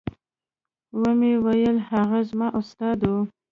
ومې ويل هغه زما استاد و.